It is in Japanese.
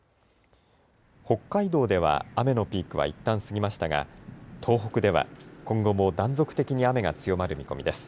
北海道では雨のピークはいったん過ぎましたが東北では今後も断続的に雨が強まる見込みです。